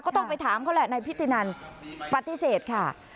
ต้องไปถามเขาแหละนายพิธีนันปฏิเสธค่ะ